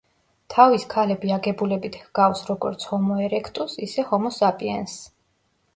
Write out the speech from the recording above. თავის ქალები აგებულებით ჰგავს, როგორც ჰომო ერექტუსს, ისე ჰომო საპიენსს.